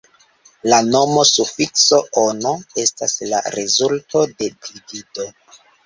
La noma sufikso -ono estas la rezulto de divido.